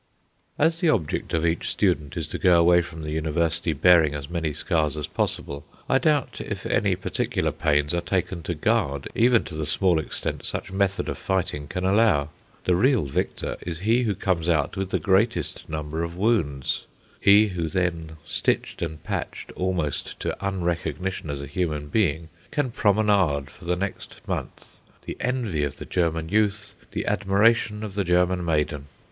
As the object of each student is to go away from the University bearing as many scars as possible, I doubt if any particular pains are taken to guard, even to the small extent such method of fighting can allow. The real victor is he who comes out with the greatest number of wounds; he who then, stitched and patched almost to unrecognition as a human being, can promenade for the next month, the envy of the German youth, the admiration of the German maiden.